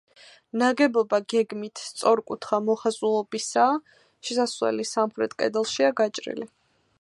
ნაგებობა გეგმით სწორკუთხა მოხაზულობისაა, შესასვლელი სამხრეთ კედელშია გაჭრილი.